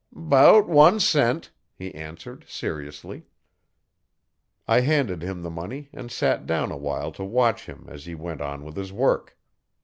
''Bout one cent,' he answered seriously. I handed him the money and sat down awhile to watch him as he went on with his work.